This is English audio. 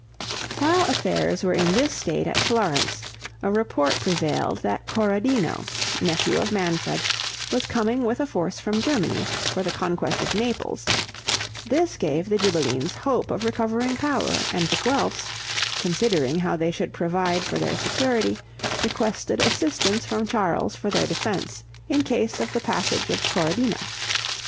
While affairs were in this state at Florence, a report prevailed that Corradino, nephew of Manfred, was coming with a force from Germany, for the conquest of Naples; this gave the Ghibellines hope of recovering power, and the Guelphs, considering how they should provide for their security, requested assistance from Charles for their defense, in case of the passage of Corradino.